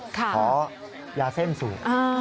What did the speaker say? ขอยาเส้นสูบ